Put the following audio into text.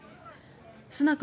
スナク